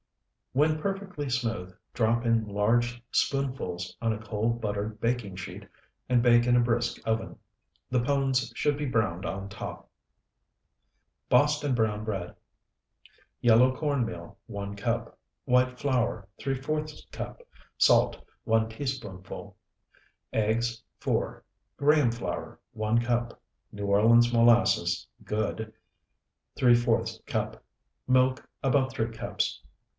When perfectly smooth, drop in large spoonfuls on a cold buttered baking sheet and bake in a brisk oven. The pones should be browned on top. BOSTON BROWN BREAD Yellow corn meal, 1 cup. White flour, ¾ cup. Salt, 1 teaspoonful. Eggs, 4. Graham flour, 1 cup. New Orleans molasses (good), ¾ cup. Milk, about 3 cups.